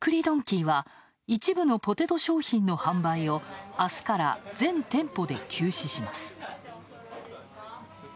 ドンキーは一部のポテト商品の販売をあすから全店舗で休止します。